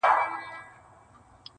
گیله من وو له اسمانه له عالمه.!